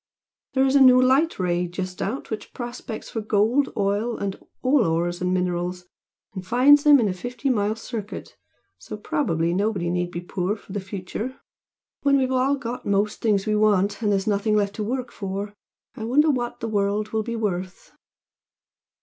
There is a new Light Ray just out which prospects for gold, oil and all ores and minerals, and finds them in a fifty mile circuit so probably nobody need be poor for the future. When we've all got most things we want, and there's nothing left to work for, I wonder what the world will be worth!"